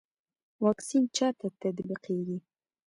واکسین چا ته تطبیقیږي؟